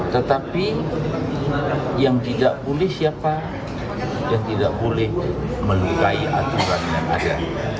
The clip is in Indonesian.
tetapi yang tidak boleh siapa yang tidak boleh melukai aturan yang ada